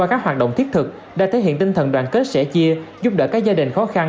qua các hoạt động thiết thực đã thể hiện tinh thần đoàn kết sẻ chia giúp đỡ các gia đình khó khăn